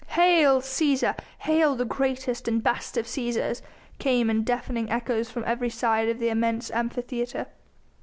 "Hail Cæsar! Hail the greatest and best of Cæsars!" came in deafening echoes from every side of the immense Amphitheatre.